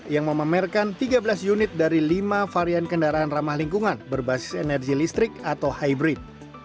yang memamerkan tiga belas unit dari lima varian kendaraan ramah lingkungan berbasis energi listrik atau hybrid